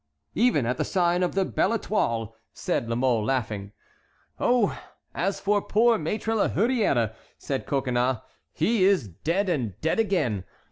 "Even at the sign of the Belle Étoile," said La Mole, laughing. "Oh! as for poor Maître La Hurière," said Coconnas, "he is dead and dead again.